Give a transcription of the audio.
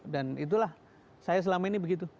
dan itulah saya selama ini begitu